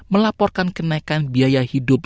melaporkan kenaikan biaya hidup